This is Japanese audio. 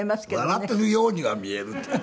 笑っているようには見えるって。